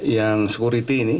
yang sekuriti ini